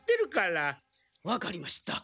わかりました。